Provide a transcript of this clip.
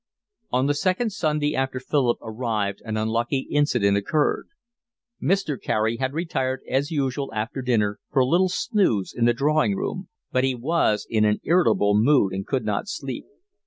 On the second Sunday after Philip arrived an unlucky incident occurred. Mr. Carey had retired as usual after dinner for a little snooze in the drawing room, but he was in an irritable mood and could not sleep.